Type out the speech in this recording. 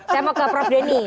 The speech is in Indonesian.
saya mau ke prof denny